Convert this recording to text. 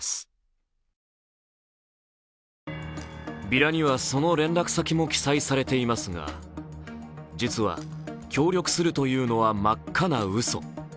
ビラには、その連絡先も記載されていますが、実は、協力するというのは真っ赤なうそ。